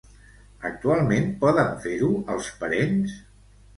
Actualment poden fer-ho, els parents?